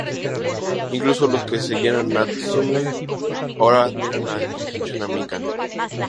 Incluso los que seguían a Natsume ahora admiran y escuchan a Mikan.